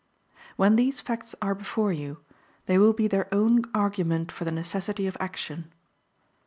"When these facts are before you, they will be their own argument for the necessity of action.